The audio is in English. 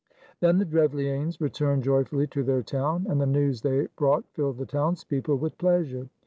Then the Drevlianes returned joyfully to their town, and the news they brought filled the townspeople with pleasure.